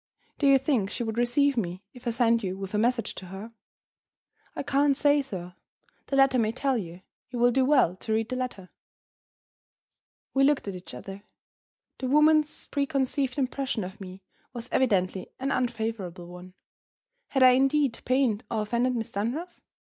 "Do you think she would receive me if I sent you with a message to her?" "I can't say, sir. The letter may tell you. You will do well to read the letter." We looked at each other. The woman's preconceived impression of me was evidently an unfavorable one. Had I indeed pained or offended Miss Dunross?